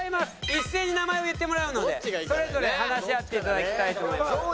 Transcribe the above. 一斉に名前を言ってもらうのでそれぞれ話し合っていただきたいと思います。